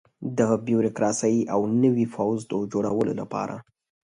د بیروکراسۍ او نوي پوځ د جوړولو لپاره.